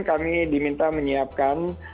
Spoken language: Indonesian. kami diminta menyiapkan